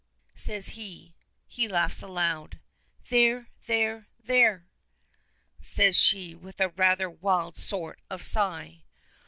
says he. He laughs aloud. "There, there, there!" says she, with a rather wild sort of sigh.